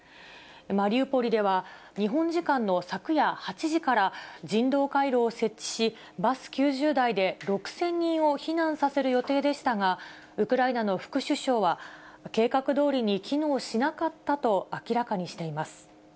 マリウポリでは、日本時間の昨夜８時から人道回廊を設置し、バス９０台で６０００人を避難させる予定でしたが、ウクライナの副首相は、計画どおりに機能しなかったと明らかにしています。